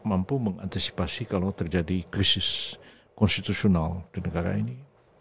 mampu mengantisipasi kalau terjadi krisis konstitusional di negara ini